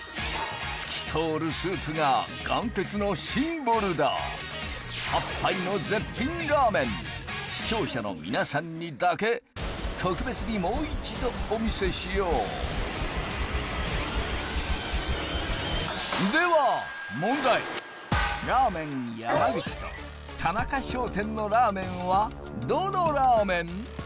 透き通るスープが巌哲のシンボルだ８杯の絶品ラーメン視聴者の皆さんにだけ特別にもう一度お見せしようでは問題らぁ麺やまぐちと田中商店のラーメンはどのラーメン？